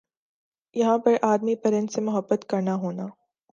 یَہاں ہَر آدمی پرند سے محبت کرنا ہونا ۔